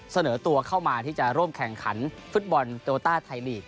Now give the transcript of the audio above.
เสนอตัวเข้ามาที่จะร่วมแข่งขันฟุตบอลโตต้าไทยลีก